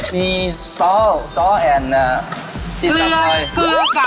มีซอสซอสและซีสัมไพร